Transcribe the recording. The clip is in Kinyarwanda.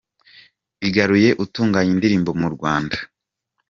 igaruye utuganya indirimbo mu Rwanda